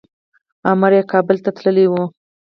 امر یې کابل ته تللی و.